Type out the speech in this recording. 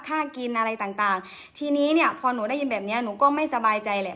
กินอะไรต่างต่างทีนี้เนี่ยพอหนูได้ยินแบบเนี้ยหนูก็ไม่สบายใจแหละ